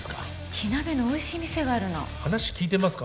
火鍋のおいしい店があるの話聞いてますか？